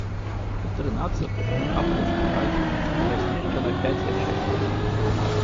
У трынаццатым, апошнім радзе, размешчана пяць ячэек.